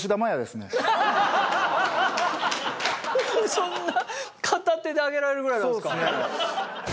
そんな片手で上げられるぐらいなんですか？